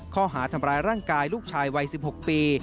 ข้อหาทำร้ายร่างกายลูกชายวัย๑๖ปี